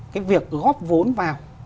cái việc góp vốn vào